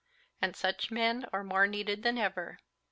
And such men are more needed than ever."